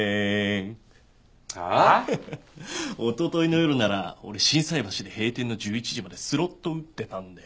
おとといの夜なら俺心斎橋で閉店の１１時までスロット打ってたんで。